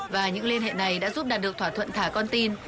và những liên hệ này đã giúp đạt được thỏa thuận thả con tin